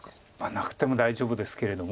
なくても大丈夫ですけれども。